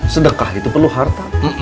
sedekah itu perlu harta